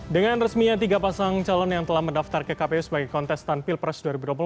dengan resminya tiga pasang calon yang telah mendaftar ke kpu sebagai kontestan pilpres dua ribu dua puluh empat